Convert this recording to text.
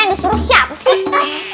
eh udah suruh siapa sih